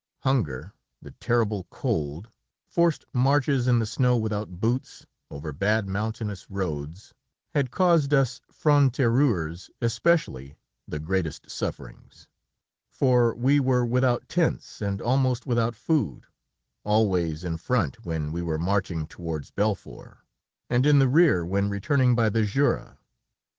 Hunger, the terrible cold, forced marches in the snow without boots, over bad mountainous roads, had caused us francs tireurs especially the greatest sufferings, for we were without tents and almost without food, always in front when we were marching towards Belfort, and in the rear, when returning by the Jura.